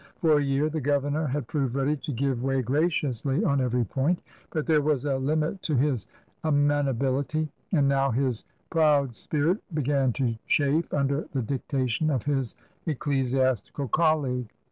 For a year the governor had proved ready to give way graciously on every point; but there was a limit to his amenability, and now his proud spirit began to chafe under the dictation of his ecclesi astical colleague.